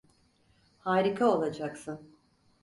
Harika olacaksın.